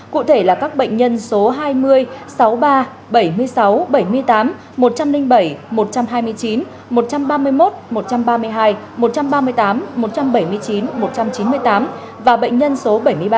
cụ thể là các bệnh nhân số hai mươi sáu mươi ba bảy mươi sáu bảy mươi tám một trăm linh bảy một trăm hai mươi chín một trăm ba mươi một một trăm ba mươi hai một trăm ba mươi tám một trăm bảy mươi chín một trăm chín mươi tám và bệnh nhân số bảy mươi ba